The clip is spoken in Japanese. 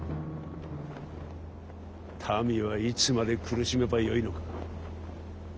民はいつまで苦しめばよいのか。